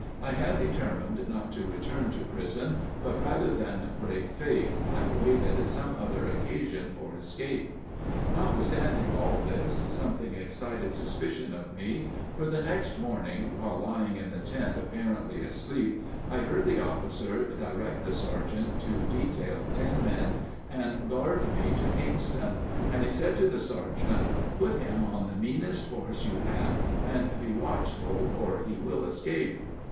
I had determined not to return to prison, but rather than break faith I awaited some other occasion for escape. Notwithstanding all this, something excited suspicion of me; for the next morning, while lying in the tent apparently asleep, I heard the officer direct the sergeant to detail ten men and guard me to Kingston, and he said to the sergeant, "Put him on the meanest horse you have and be watchful or he will escape."